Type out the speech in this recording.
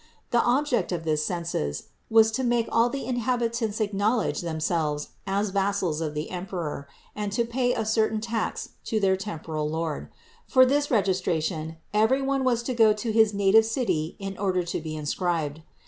The object of this census was to make all the inhabitants acknowl edge themselves as vassals of the emperor, and to pay a certain tax to their temporal lord; for this registration every one was to go to his native city in order to be inscribed.